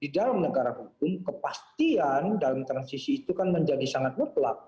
di dalam negara hukum kepastian dalam transisi itu kan menjadi sangat mutlak